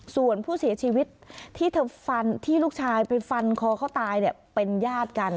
ส่วนผู้เสียชีวิตที่ลูกชายไปฟันคอเขาตายเป็นญาติกัน